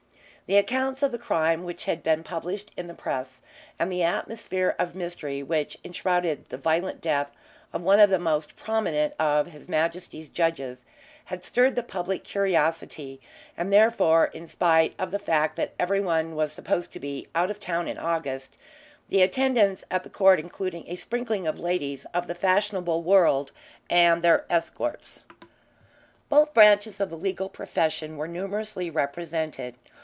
The accounts of the crime which had been published in the press, and the atmosphere of mystery which enshrouded the violent death of one of the most prominent of His Majesty's judges, had stirred the public curiosity, and therefore, in spite of the fact that every one was supposed to be out of town in August, the attendance at the court included a sprinkling of ladies of the fashionable world, and their escorts. Both branches of the legal profession were numerously represented.